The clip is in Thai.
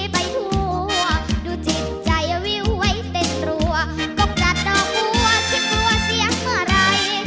บอกว่าที่ดัวเสียงอะไร